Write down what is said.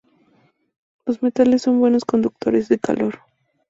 Los metales son buenos conductores de calor.